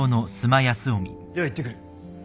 では行ってくる。